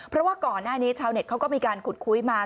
เพราะว่าก่อนหน้านี้ชาวเน็ตเขาก็มีการขุดคุยมา